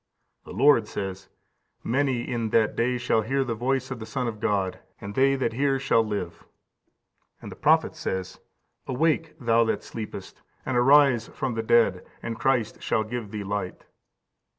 15551555 Isa. xxvi. 19. The Lord says, "Many in that day shall hear the voice of the Son of God, and they that hear shall live."15561556 John v. 25. And the prophet says, "Awake, thou that sleepest, and arise from the dead, and Christ shall give thee light."